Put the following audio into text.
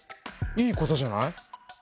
いいことじゃない？